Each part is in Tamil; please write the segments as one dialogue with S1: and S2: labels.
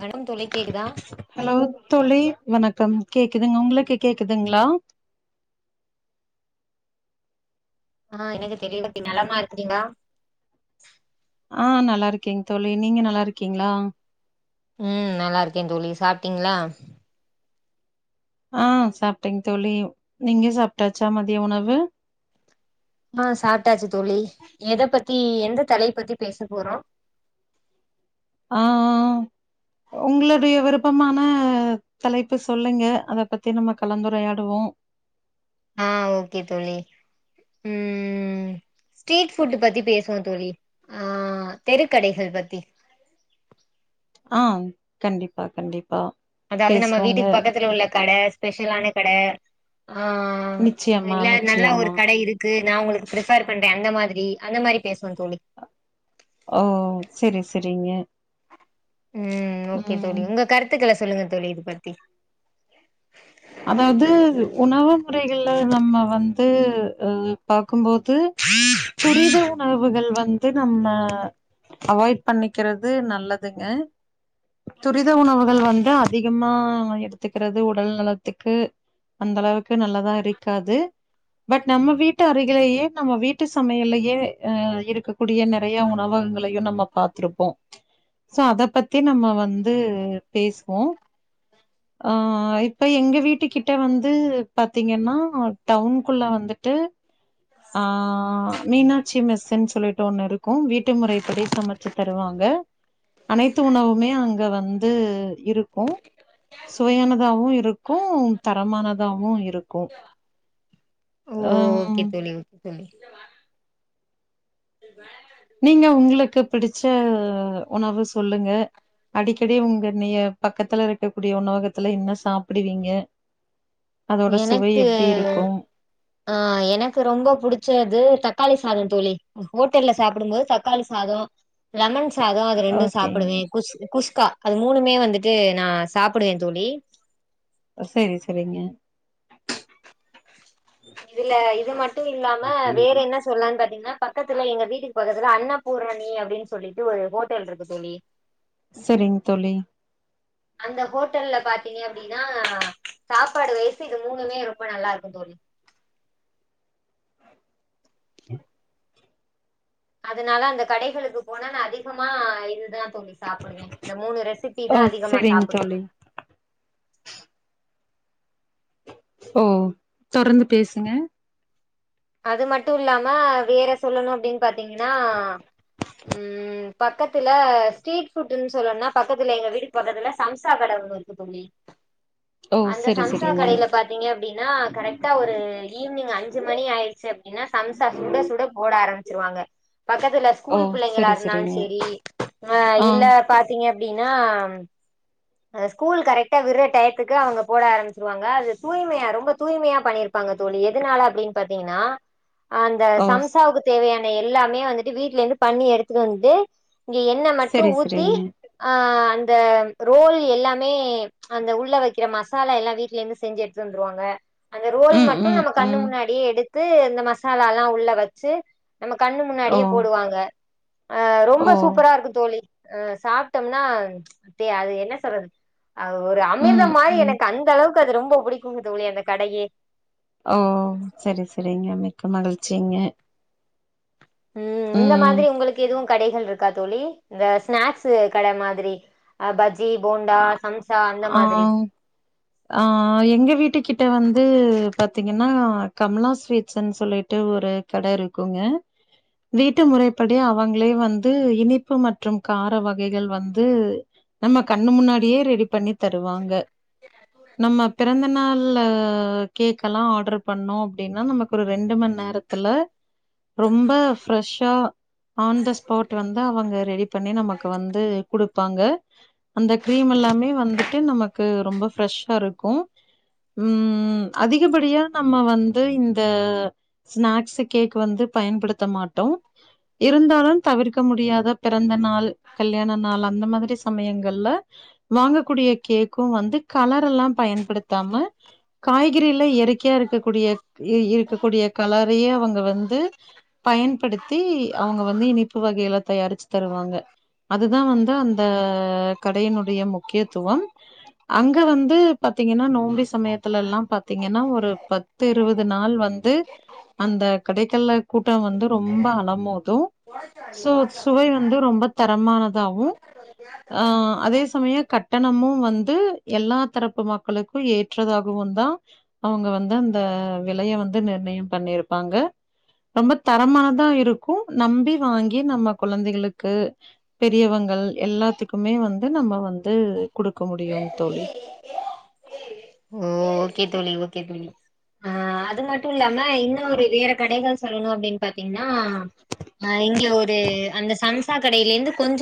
S1: வணக்கம் தோழி கேக்குதா
S2: ஹலோ தோழி வணக்கம் கேக்குதுங்க ஒங்ளுக்கு கேக்குதுங்ளா
S1: ஆஹ் எனக்கு [inaudible] நலமா இருக்குறீங்ளா
S2: ஆஹ் நல்லாருக்கேங் தோழி நீங்க நல்லாருக்கீங்ளா
S1: ம் நல்லா இருக்கேன் தோழி சாப்பிட்டீங்களா
S2: அ சாப்பிட்டங்க தோழி நீங்க சாப்பிட்டாச்சா மதிய உணவு
S1: அ சாப்பிட்டாச்சு தோழி எதை பத்தி எந்த தலைய பத்தி பேச போறோம்
S2: அ உங்களுடைய விருப்பமான தலைப்பு சொல்லுங்க அத பத்தி நம்ம கலந்துரையாடுவோம்
S1: அ ஓகே தோழி ம் ஸ்ட்ரீட் புட் பத்தி பேசுவோம் தோழி ஆ தெருக்கடைகள் பத்தி
S2: அ கண்டிப்பா கண்டிப்பா
S1: அதாவது நம்ம
S2: பேசுவோங்க
S1: வீட்டுக்கு பக்கத்துல உள்ள கடை ஸ்பெஷலான கடை அ
S2: நிச்சயமா
S1: இல்ல நல்லா ஒரு
S2: நிச்சயமா
S1: கடை இருக்கு நான் உங்களுக்கு பிர்ஃபர் பண்றேன் அந்த மாதிரி அந்த மாதிரி பேசுவோம் தோழி
S2: ஓ சரி சரிங்க
S1: ம் ஓகே தோழி உங்க கருத்துக்கள சொல்லுங்க தோழி இது பத்தி
S2: அதாவது உணவு முறைகள்ல நம்ம வந் து பாக்கும்போது துரித உணர்வுகள் வந்து நம்ம அவாய்ட் பண்ணிக்கிறது நல்லதுங்க துரித உணவுகள் வந்து அதிகமா எடுத்துக்கிறது உடல்நல த்துக்கு அந்த அளவுக்கு நல்லதா இருக்காது பட் நம்ம வீட்டு அருகிலேயே நம்ம வீட்டு சமையலயே அ இருக்கக்கூடிய நறைய உணவகங்களையும் நம்ம பாத்திருப்போம் சோ அத பத்தி நம்ம வந் து பேசுவோம் ஆ ஆய் இப்ப எங்க வீட்டு கிட்ட வந்து பாத்தீங்கன்னா டவுனுக்குள்ள வந்துட்டு அ மீனாட்சி மெஸ்ன்னு சொல்லிட்டு ஒண்ணு இருக்கும் வீட்டு முறை படி சமைச்சு தருவாங்க அனைத்து உணவுமே அங்க வந் து இருக்கும் சுவையானதாவும் இருக் கும் தரமானதாவும் இருக்கும் ஹ
S1: ஓகே
S2: ம்
S1: தோழி ஓகே தோழி
S2: நீங்க உங்களுக்கு பிடிச்ச உணவு சொல்லுங்க அடிக்கடி உங்க நீய பக்கத்துல இருக்கக்கூடிய உணவகத்துல என்ன சாப்பிடுவீங்க அதோட சுவை
S1: எனக்கு
S2: எப்டி இருக்கு
S1: அ எனக்கு ரொம்ப புடிச்சது தக்காளி சாத தோழி ஹோட்டல்ல சாப்பிடும்போது தக்காளி சாத லெமன் சாதம் அது ரெண்டு
S2: ஓகேங்க
S1: சாப்டுவேன் குஸ் குஸ் க்கா அது மூணுமே வந்துட்டு நான் சாப்பிடுவே தோழி
S2: செரி செரிங்க
S1: இதுல இது மட் ட்டு இல்லாம வேற என்ன சொல்லான்னு பாத்தீங்கன்னா பக்கத்துல எங்க வீட்டுக்கு பக்கத்துல அன்னபூரணி அப்டின்னு சொல்லிட்டு ஒரு ஹோட்டல் இருக்கு தோழி
S2: செரிங் தோழி
S1: அந்த ஹோட்டல்ல பாத்தீங்க அப்படின்னா சாப்பாடு வைஸ் இது மூணுமே ரொம்ப நல்லா இருக்கு தோழி
S2: ம்
S1: அதனால அந்த கடைகளுக்கு போனா நான் அதிகமா இதுதா தோழி சாப்பிடுவேன் இந்த மூணு ரெசிபி
S2: ஓ
S1: தா அதிகமா
S2: செரிங்
S1: சாப்பிடுவேன்
S2: தோழி ஓ தொடர்ந்து பேசுங்க
S1: அது மட்டும் இல்லாம வேற சொல்லணும் அப்டின்னு பாத்தீங்கன்னா ம் பக்கத்துல ஸ்ட்ரீட் ஃபுட்ன்னு சொல்லனுனா பக்கத்துல எங்க வீட்டுக்கு பக்கத்துல சம்சா கடை ஒண்ணு இருக்கு தோழி
S2: ஓ
S1: அந்த
S2: செரி
S1: சம்சா
S2: செரிங்க
S1: கடைல பாத்தீங்க அப்டின்னா கரெக்டா ஒரு ஈவ்னிங் அஞ்சு மணி ஆயி அப்டின்னா சம்சா சுட சுட போட ஆரம்பிச் ச்சுருவாங்க பக்கத்துல
S2: ஓ
S1: ஸ்கூல் பிள்ளைங்களா
S2: செரி
S1: இருந்தாலும்
S2: செரிங்க
S1: சரி ஆ இல்ல பாத்தீங்க எப்டின்னா ஆ ஸ்கூல் கரெக்டா விடுற டயத்துக்கு அவங்க போட ஆரம்பிச்சிருவாங்க அது தூய்மையா ரொம்ப தூய்மையா பண்ணிருப்பாங்க தோழி எதுனால அப்படின்னு பாத்தீங்கன்னா அந்த
S2: ஓ
S1: சம்சாவுக்கு தேவையான எல்லாமே வந்துட்டு வீட்டுல இருந்து பண்ணி எடுத்துட்டு வந்து இங்க எண்ணெ மட்டு
S2: செரி
S1: ஊத்தி
S2: செரிங்க
S1: ஆ அந்த ரோல் எல்லாமே அந்த உள்ள வைக்கிற மசாலா எல்லா வீட்ல இருந்து செஞ்சு எடுத்து வந்துருவாங்க அந்த ரோல்
S2: ம்
S1: மட்டும்
S2: ம்
S1: நம்ம கண்ணு
S2: ம்
S1: முன்னாடியே எடுத் த்து இந்த மசாலா எல்லா உள்ள வச்சு நம்ம கண்ணு
S2: ஓ
S1: முன்னாடியே போடுவாங்க ஆ
S2: ஓ
S1: ரொம்ப சூப்பரா இருக்கும் தோழி ஆ சாப்ட்டோம்னா அ அது என்ன சொல்றது ஒரு
S2: ம்
S1: அமிர்தம் மாதிரி
S2: ம்
S1: எனக்கு அந்த அளவுக்கு அது ரொம்ப பிடிக்குங்க தோழி அந்த கடையே
S2: ஓ சரி சரிங்க மிக்க மகிழ்ச்சிங்க
S1: ம் இந்த மாதிரி உங்களுக்கு எதுவும் கடைகள் இருக்கா தோழி இந்த ஸ்நாக்ஸ் கடை மாதிரி பஜ்ஜி போண்டா சம் சா அந்த
S2: ஆ
S1: மாதிரி
S2: ஆ எங்க வீட்டு கிட்ட வந்து பாத்தீங்கன்னா ஆ கமலா ஸ்வீட்ஸ்ன்னு சொல்லிட்டு ஒரு கடை இருக்குங்க வீட்டு முறைப்படி அவங்களே வந்து இனிப்பு மற்றும் கார வகைகள் வந்து நம்ம கண்ணு முன்னாடியே ரெடி பண்ணி தருவாங்க நம்ம பிறந்தநாள் கேக் எல்லா ஆர்டர் பண்ணோ அப்படின்னா நமக்கு ஒரு ரெண்டுமண் நேரத்துல ரொம்ப பிரஷ் ஆ ஆன் த ஸ்பாட் வந்து அவங்க ரெடி பண்ணி நமக்கு வந்து குடுப்பாங்க அந்த க்ரீம் எல்லாமே வந்துட்டு நமக்கு ரொம்ப ஃபிரஷ் ஆ இருக்கு ம் அதிகபடியா நம்ம வந்து இந்த ஸ்நாக்ஸ் கேக் வந்து பயன்படுத்த மாட்டோ இருந்தாலு தவிர்க்க முடியாத பிறந்த நாள் கல்யாண நாள் அந்த மாதிரி சமயங்கள்ல வாங்ககூடிய கேக்கு வந்து கலர் எல்லா பயன்படுத்தாம காய்கறில இயற்கையா இருக்கக்கூடிய இருக்கக்கூடிய கலரையே அவங்க வந்து பயன்படுத்தி அவங்க வந்து இனிப்பு வகையெலா தயாரிச்சு தருவாங்க அதுதா வந்து அந்த கடையினுடைய முக்கியத்துவம் அங்க வந்து பாத்தீங்கன்னா நோம்பி சமயத்துல எல்லா பாத்தீங்கன்னா ஒரு பத்து இருபது நாள் வந்து அந்த கடைக்கல்ல கூட்டம் வந்து ரொம்ப அலமோது து சோ சுவை வந்து ரொம்ப தரமானதாகவு அ அதே சமய க ட்டணமு வந்து எல்லா தரப்பு மக்களுக்கு ஏற்றதாகவுந்தா அவுங்க வந்து அந்த விலைய வந்து நிர்ணயம் பண்ணிருப்பாங்க ரொம்ப தரமானதா இருக்கு நம்பி வாங்கி நம்ம குழந்தைகளுக்கு பெரியவங்கள் எல்லாத்துக்குமே வந்து நம்ம வந்து குடுக்க முடியும் தோழி
S1: ஓ ஓகே தோழி ஓகே தோழி அ அது மட்டு இல்லாம இன்னு ஒரு வேற கடைகள் சொல்லணு அப்படின்னு பாத்தீங்ன்னா இங்க ஒரு அந்த சம்சா கடையில இருந்து கொஞ்ச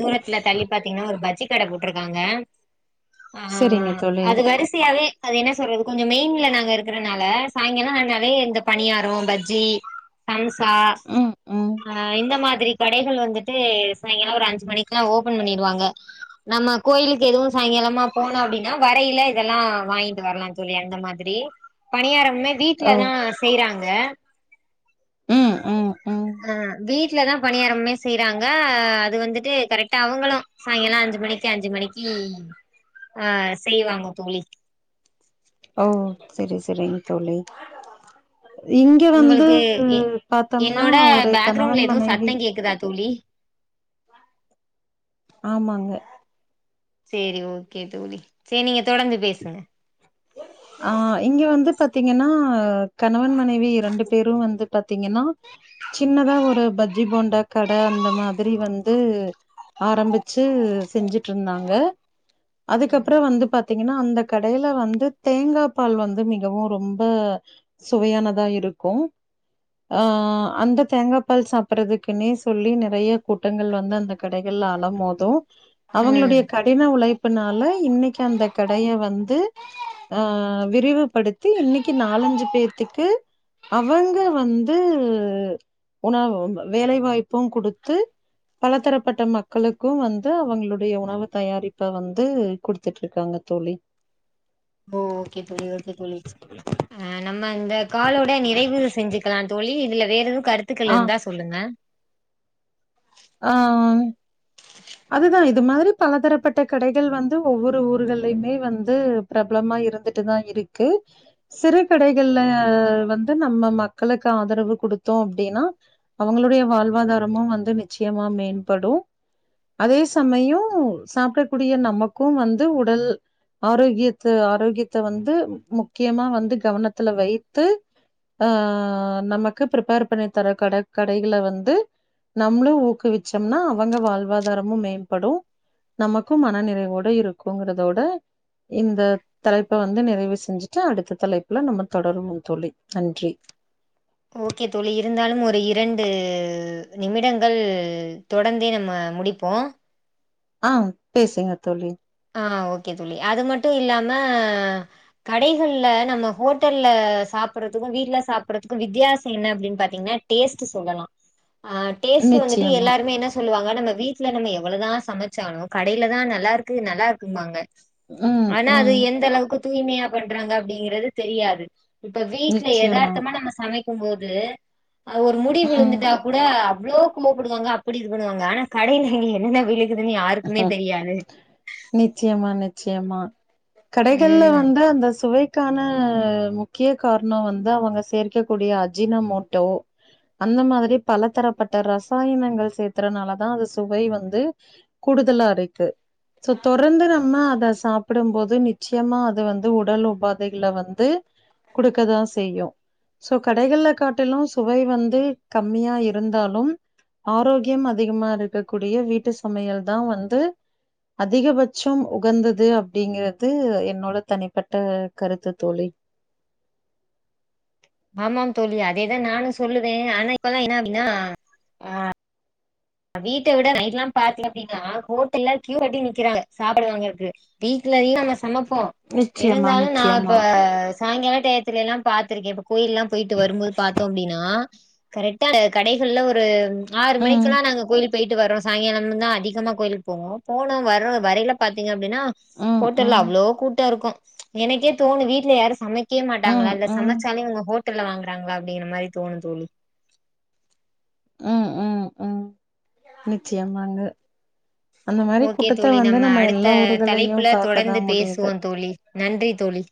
S1: தூரத்துல தள்ளி பாத்தீங்கன்னா ஒரு பஜ்ஜி கடை போட்ருக்காங்க ஆ
S2: சரிங்க தோழி.
S1: அது வரிசையாவே என்ன சொல்றது கொஞ்ச மெயின்ல நாங்க இருக்கறனால சாயங்கால ந நறைய இந்த பனியார பஜ்ஜி சம் சா
S2: ம், ம்.
S1: இந்த மார் ரி கடைகள் வந்துட்டு சாய்ங்கால ஒரு அஞ்சு மணிக்கு ஓபன் பண்ணிடுவாங்க நம்ம கோயிலுக்கு எதுவு சாயங்காலமா போனோ அப்டின்னா வரையில இதெல்லா வாங்கி வரலா தோழி அந்த மாதிரி பனியார மே வீட்ல
S2: ஓ!
S1: தா செய்றாங்க
S2: ம் ம் ம்.
S1: பணியாரமே செய்யறாங்க அது வந்துட்டு கரெக்டா அவங்குளு சாய்ங்கால அஞ்சு மணிக்கு அஞ்சு மணிக்கு ஆ செய்வாங்க தோழி
S2: ஓ சரி சரி தோழி இங்க வந்து
S1: உங்களுக்கு எ
S2: பாத்தம்னா
S1: என்னோட
S2: ஒரு
S1: பேக்ரவுண்ட்ல
S2: கணவன்
S1: எதுவு
S2: மனைவி
S1: சத்தம் கேக்குதா தோழி
S2: ஆமாங்க
S1: சரி ஓகே தோழி சரி நீங்க தொடர்ந்து பேசுங்க
S2: ஆ இங்க வந்து பாத்தீங்கன்னா கணவன் மனைவி ரண்டு பேரும் வந்து பாத்தீங்கன்னா சின்னதா ஒரு பஜ்ஜி போண்டா கட அந்த மாதிரி வந் து ஆரம்பிச்சு செஞ்சுட்டு இருந்தாங்க அதுக்கப்புற வந்து பா பாத்தீங்கன்னா அந்த கடையில வந்து தேங்காப்பால் வந்து மிகவு ரொம்ப சுவையானதா இருக்கு ஆ அந்த தேங்காப்பால் சாப்படறதுக்குன்னே சொல்லி நிறைய கூட்டங்கள் வந்து அந்த கடைகள்ல அல அலமோது
S1: ம்
S2: அவங்களுடைய கடின உழைப்புனால இன்னைக்கு அந்த கடய வந்து அ விரிவுபடுத்தி இன்னைக்கி நாலஞ்சு பேத்துக்கு அவங்க வந்து உணவு வேலைவாய்ப்பும் குடுத்து பல தரப்பட்ட மக்களுக்கும் வந்து அவங்களுடைய உணவு தயாரிப்ப வந்து குடுத்துட்டு இருக்காங்க தோழி
S1: ஓ ஓகே தோழி ஓகே தோழி அ நம்ம இந்த காலோட நிறைவு செஞ்சிக்கலா தோழி இதுல வேறெது கருத்துக்கள்
S2: ஆ
S1: இருந்தா சொல்லுங்க
S2: ஆ அதுதா இது மாதிரி பலதரப்பட்ட கடைகள் வந்து ஒவ்வொரு ஊர்கள்லயுமே வந்து பிரபலமா இருந்துட்டுதா இருக்கு சிறு கடைகள்ல வந்து நம்ம மக்களுக்கு ஆதரவு கொடுத்தோ அப்டின்னா அவங்களுடைய வாழ்வாதாரமும் வந்து நி நிச்சயமா மேம்படு அதே சமயம் சாப்பிடக்கூடிய நமக்கும் வந்து உடல் ஆரோக்கியத்த ஆரோக்கியத்த வந்து முக்கியமா வந்து கவனத்துல வைத்து ஆ நமக்கு பிர்ப்பேர் பண்ணி தர கட கடைகளை வந்து நம் நம்ளு ஊக்குவிச்சோம்னா அவங்க வாழ்வாதாரமும் மேம்படு நமக்கும் மன நிறைவோட இருக்குங்கறதோட இந்த தலைப்ப வந்து நிறைவு செஞ்சுட்டு அடுத்த தலைப்புல நம்ம தொடருவோம் தோழி நன்றி
S1: ஓகே தோழி இருந்தாலு ஒரு இரண்டு நிமிடங்கள் தொடர்ந்தே நம்ம முடிப்போ
S2: ஆ பேசுங்க தோழி
S1: ஆ ஓகே தோழி அது மட்டும் இல்லாம கடைகள்ல நம்ம ஹோட்டல்ல சாப்பிடுறதுக்கு வீட்ல சாப்படுறதுக்கு வித்தியாசம் என்ன அப்டின்னு பாத்தீங்கன்னா டேஸ்ட் சொல்லலா ஆ டேஸ்ட் வந்துட்டு
S2: நிச்சயமா
S1: எல்லாருமே என்ன சொல்லுவாங்க நம்ம வீட்ல நம்ம எவ்வளதா சமைச்சாலு கடைல தா நல்லா இருக் கு நல்லா இருக்கும்பாங்க
S2: ம்
S1: ஆனா அது
S2: ம்
S1: எந்தளவுக்கு தூய்மையா பண்றாங்க அப்டிங்கறது தெரியாது இப்ப வீட்ல
S2: நிச்சயமா
S1: ஏதார்த்தமா நம்ம சமை க்கும்போது அ ஒரு முடி
S2: ம்
S1: விழுந்துட்டா கூட அவ்ளோ கோபப்படுவாங்க அப்டி இது பண்ணுவாங்கனா கடைல அங்க என்னென்ன விழு குதுன்னு யாருக்குமே தெரியாது
S2: நிச்சயமா நிச்சயமா கடைகள்ல
S1: ம்
S2: வந்து அந்த சுவை க்கான முக்கிய காரணம் வந்து அவங்க சேர்க்கக்கூடிய அஜின மோட்டோ அந்த மாதிரி பல தரப்பட்ட ரசாயனங்கள் சேத்தறனாலதா அது சுவை வந்து கூடுதலா இருக்கு சோ தொடர்ந்து நம்ம அத சாப்பிடும்போது நிச்சயமா அது வந்து உடல் உபாதைகள வந்து குடுக்கதா செய்யு சோ கடைகள்ல காட்டிலு சுவை வந்து கம்மியா இருந்தாலும் ஆரோக்கியம் அதிகமா இருக்கக்கூடிய வீட்டு சமையல் தா வந்து அதிகபட்சம் உகந்தது அப்டிங்கிறது என்னோட தனிப்பட்ட கருத்து தோழி
S1: ஆமாம் தோழி அதேதா நானும் சொல்லுவே ஆனா இப்பல்லா என்ன அப்டின்னா ஆ வீட்ட விட நைட்ல்லா பாத்திங்க அப்டினா ஹோட்டல்ல க்யூ கட்டி நிக்கிறாங்க சாப்பாடு வாங்கறத்துக்கு வீட்லயு நம்ம சமப்போ
S2: நிச்சயமா
S1: இருந்தாலு நா இப்ப
S2: நிச்சயமா
S1: சாயங்கால டயத்திலல்லா பாத்திருக்கே இப்ப கோயில்லா போயிட்டு வரும் போது பாத்தோ அப்டின்னா கரெக்ட்டா கடைகள்ல ஒரு
S2: ம்
S1: க்ளா நாங்க கோயில் போயிட்டு வரோ சாயங்காலம் தா அதிகமா கோயிலுக்கு போவோம் போன வர வரையில பாத்தீங்க அப்டின்னா
S2: ம்
S1: ஹோட்டல்ல
S2: ம்
S1: அவ்ளோ கூட்டம் இருக்கு எனக்கே தோணு வீட்ல யாரும் சமைக் க்கே மாட்டாங்களா
S2: ம்
S1: இல்ல
S2: ம்
S1: சமைச்சாலு இங்க ஹோட் ட்டல்ல வாங்குறாங்களா அப்டிங்கிற மாரி தோணு தோழி
S2: ம் ம் ம் நிச்சயமாங்க அந்த மாரி
S1: ஓகே
S2: கூட்டத்த
S1: தோழி
S2: வந்து
S1: நம்ம
S2: எல்லா
S1: அடுத்த
S2: ஊர்களையு
S1: தலைப்புல
S2: பாக்கதா
S1: தொடர்ந்து
S2: முடியுது
S1: பேசுவோ தோழி நன்றி தோழி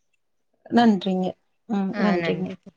S2: நன்றிங்க ம்
S1: ஆ
S2: நன்றிங்க
S1: நன்றி தோ